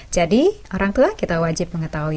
jadi orang tua kita wajib mengetahui